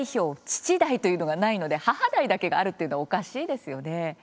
「父代」というのがないので母代だけがあるというのはおかしいですよね。